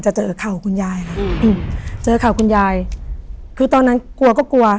จะเจอเข่าคุณยายค่ะอืมเจอเข่าคุณยายคือตอนนั้นกลัวก็กลัว